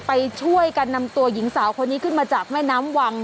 ไปช่วยกันนำตัวหญิงสาวคนนี้ขึ้นมาจากแม่น้ำวัง